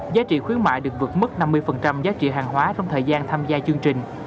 giá trị khuyến mại được vượt mất năm mươi giá trị hàng hóa trong thời gian tham gia chương trình